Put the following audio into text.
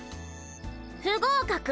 不合格！